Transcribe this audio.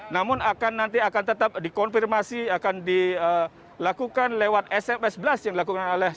namun nanti akan tetap dikonfirmasi akan dilakukan lewat sms blast yang dilakukan oleh